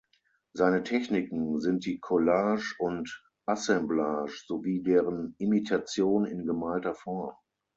Seine Techniken sind die Collage und Assemblage sowie deren Imitation in gemalter Form.